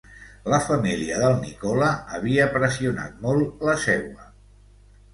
La família del Nicola havia pressionat molt la seua.